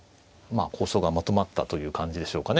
あ構想がまとまったという感じでしょうかね。